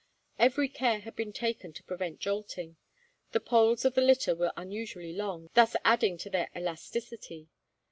Every care had been taken to prevent jolting. The poles of the litter were unusually long, thus adding to their elasticity.